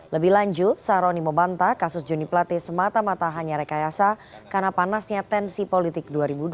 lebih lanjut saroni membantah kasus joni plate semata mata hanya rekayasa karena panasnya tensi politik dua ribu dua puluh